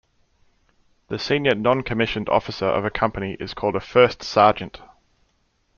The senior non-commissioned officer of a company is called a first sergeant.